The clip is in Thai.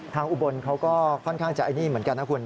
อุบลเขาก็ค่อนข้างจะไอ้นี่เหมือนกันนะคุณ